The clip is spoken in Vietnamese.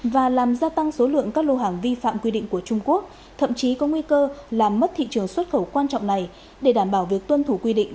và làm gia tăng số lượng các lô hàng vi phạm quy định của trung quốc thậm chí có nguy cơ làm mất thị trường xuất khẩu quan trọng này để đảm bảo việc tuân thủ quy định